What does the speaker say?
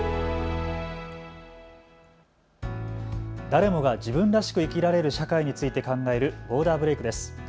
誰もが自分らしく生きられる社会について考えるボーダーブレイクです。